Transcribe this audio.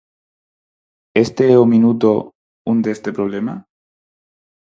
¿Este é o minuto un deste problema?